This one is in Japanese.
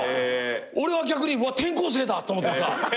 俺は逆に「うわっ『転校生』だ」と思って。